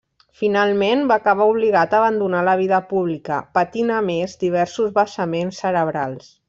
Finalment, va acabar obligat a abandonar la vida pública, patint a més, diversos vessaments cerebrals.